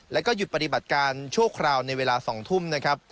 และยุดปฏิบัติการชั่วคราวในเวลา๘ทุ่ม